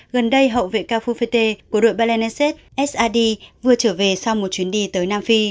gần đây hậu vệ cao phu phê tê của đội balenesex sad vừa trở về sau một chuyến đi tới nam phi